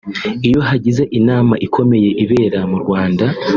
iyo hagize inama ikomeye ibera mu Rwanda